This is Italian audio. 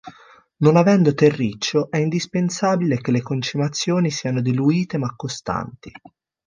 Non avendo terriccio è indispensabile che le concimazioni siano diluite ma costanti.